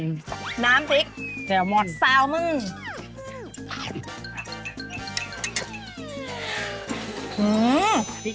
น้ำพริกแซลมอนซาวมึง